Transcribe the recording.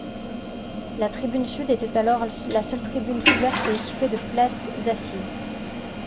La tribune sud était alors la seule tribune couverte et équipée de places assises.